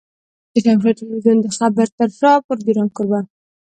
د شمشاد ټلوېزيون د خبر تر شا پروګرام کوربه.